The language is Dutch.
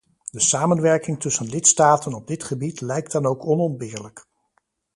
De samenwerking tussen lidstaten op dit gebied lijkt dan ook onontbeerlijk.